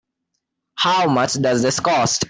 How much does this cost?